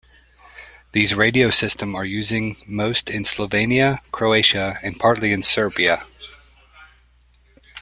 These radio system are using most in Slovenia, Croatia and partly in Serbia.